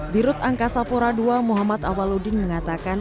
di ruk angkasa pura ii muhammad awaludin mengatakan